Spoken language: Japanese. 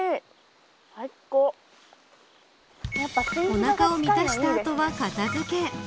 おなかを満たした後は片付け。